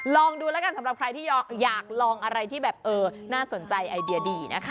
ลองดูแล้วกันสำหรับใครที่อยากลองอะไรที่แบบเออน่าสนใจไอเดียดีนะคะ